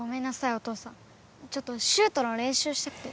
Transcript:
お父さんちょっとシュートの練習してて。